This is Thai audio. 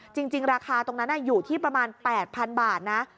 จริงราคาตรงนั้นอยู่ที่ประมาณ๘๐๐๐บาทนะ